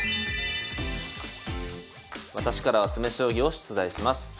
私からは詰将棋を出題します。